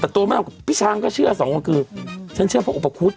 แต่ตัวไม่เอาพี่ช้างก็เชื่อสองคนคือฉันเชื่อพระอุปคุฎ